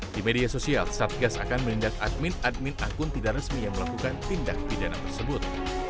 di media sosial satgas akan menindak admin admin akun tidak resmi yang melakukan tindak pidana tersebut